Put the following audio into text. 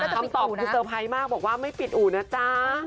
คำตอบคือเตอร์ไพรส์มากบอกว่าไม่ปิดอู่นะจ๊ะ